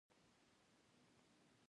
بزګر ته پټی د زړۀ کتاب دی